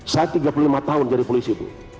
saya tiga puluh lima tahun jadi polisi itu